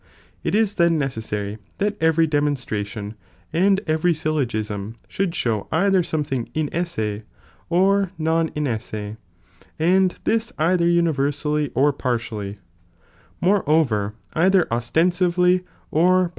It is then necessary that every demonstration, and every syllogism, should sliow either something ruirunLverT' 'i^^^^ or non inesse, and this either univerBally iMvorpariLcu or partially, moreover either ostenaively or by tHiii've.